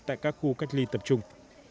thì tập trung